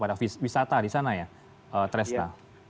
ada wisata di sana ya teresna